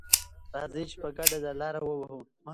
راځئ چې په ګډه دا لاره ووهو.